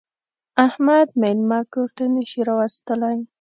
احمد مېلمه کور ته نه شي راوستلی.